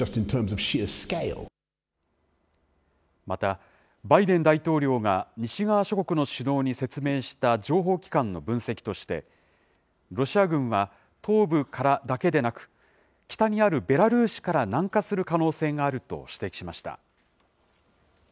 また、バイデン大統領が西側諸国の首脳に説明した情報機関の分析として、ロシア軍は東部からだけでなく、北にあるベラルーシから南下する可能性があると指摘しました。